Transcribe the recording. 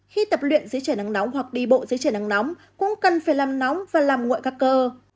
khi tập luyện dưới trời nắng nóng hoặc đi bộ dưới trời nắng nóng cũng cần phải làm nóng và làm nguội các cơ